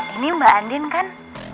ini mbak andien kan